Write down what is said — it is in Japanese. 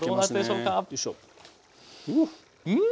うん！